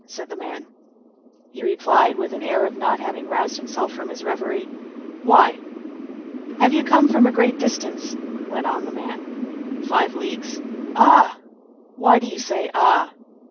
said the man. He replied, with an air of not having roused himself from his reverie:— "Why?" "Have you come from a great distance?" went on the man. "Five leagues." "Ah!" "Why do you say, 'Ah?